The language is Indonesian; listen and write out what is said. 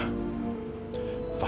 terus gimana pak